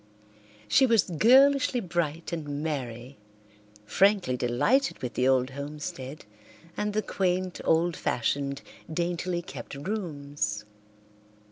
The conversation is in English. She was girlishly bright and merry, frankly delighted with the old homestead and the quaint, old fashioned, daintily kept rooms.